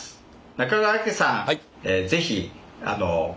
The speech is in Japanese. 中川家さん